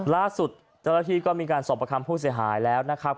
ล่าสุดเจ้าหน้าที่ก็มีการสอบประคำผู้เสียหายแล้วนะครับ